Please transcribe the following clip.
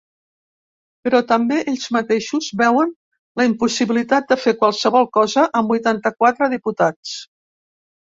Però també ells mateixos veuen la impossibilitat de fer qualsevol cosa amb vuitanta-quatre diputats.